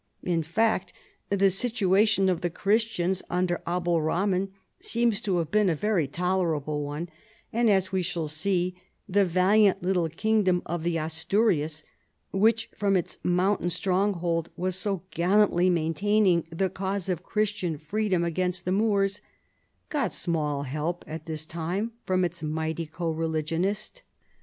In fact, the situation of the Christians under Abderrah man seems to have been a very tolerable one : and as we shall see, the valiant little kingdom of the Asturias, which from its mountain stronghold Avas so gallantly maintaining the cause of Christian freedom against the Moors, got small help at this time from its mighty co religionist.